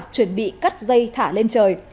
chuẩn bị cắt dây thả lên trời